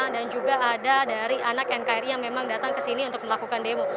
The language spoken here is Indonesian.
dan juga ada dari anak nkri yang memang datang ke sini untuk melakukan demo